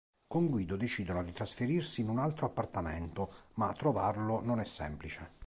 Con Guido decidono di trasferirsi in un altro appartamento, ma trovarlo non è semplice.